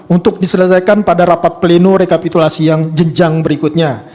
untuk diselesaikan pada rapat pleno rekapitulasi yang jenjang berikutnya